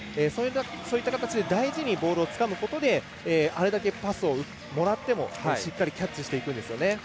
そういった形で、大事にボールをつかむことによってあれだけパスをもらってもしっかりキャッチしていくんですよね。